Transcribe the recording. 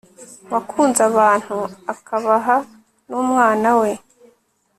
wakunze abantu akabaha n'umwana we